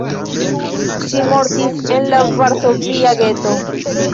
Ŝi mortis en la varsovia geto.